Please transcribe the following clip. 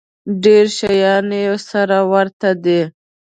ډېر شیان یې سره ورته دي.